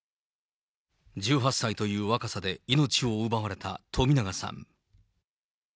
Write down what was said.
１８歳という若さで命を奪われた冨永さん。